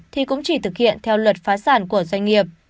thì cũng chỉ thực hiện theo luật phá sản của doanh nghiệp